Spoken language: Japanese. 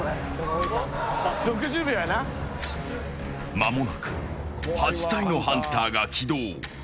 まもなく８体のハンターが起動。